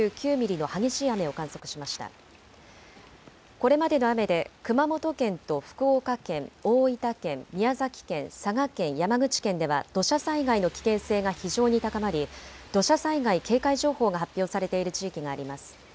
これまでの雨で熊本県と福岡県、大分県、宮崎県、佐賀県、山口県では土砂災害の危険性が非常に高まり土砂災害警戒情報が発表されている地域があります。